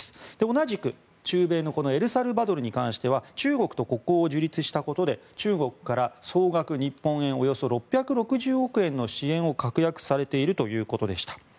同じく中米のエルサルバドルに関しては中国と国交を樹立したことで中国から総額日本円およそ６６０億円の支援を確約されているということでした。